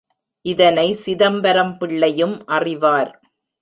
இதனை சிதம்பரம் பிள்ளையும் அறிவார்.